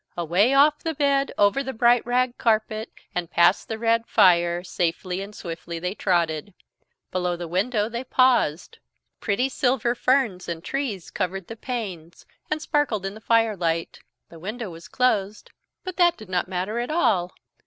Away off the bed, over the bright rag carpet, and past the red fire, safely and swiftly they trotted. Below the window they paused. Pretty silver ferns and trees covered the panes and sparkled in the firelight. The window was closed, but that did not matter at all.